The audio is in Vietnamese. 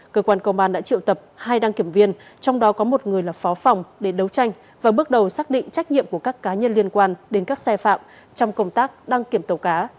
cơ quan công an đã triệu tập hai đăng kiểm viên trong đó có một người là phó phòng để đấu tranh và bước đầu xác định trách nhiệm của các cá nhân liên quan đến các sai phạm trong công tác đăng kiểm tàu cá